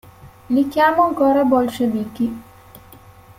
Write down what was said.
Li chiamo ancora bolscevichi.